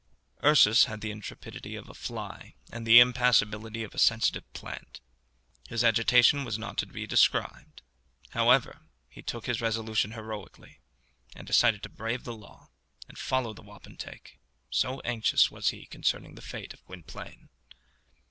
Ursus had the intrepidity of a fly and the impassibility of a sensitive plant. His agitation was not to be described. However, he took his resolution heroically, and decided to brave the law, and to follow the wapentake, so anxious was he concerning the fate of Gwynplaine.